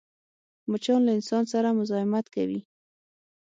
مچان له انسان سره مزاحمت کوي